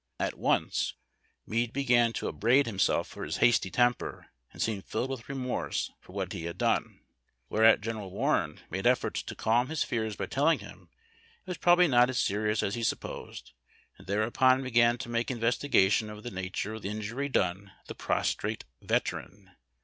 At once Meade began to upbraid himself for his hasty temper, and seemed filled with remorse for what he had done. Whereat General Warren made efforts to calm his fears by telling him it was probably not as serious as he supposed, and tliereupon began to make investigation of tlie nature of the injury done the prostrate veteran.